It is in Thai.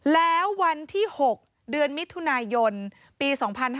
แล้ววันที่๖เดือนมิถุนายนปี๒๕๕๙